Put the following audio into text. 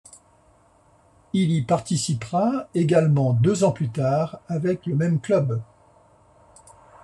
Il y participera également deux ans plus tard avec le même club.